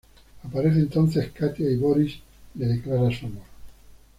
Aparece entonces Katia y Borís le declara su amor.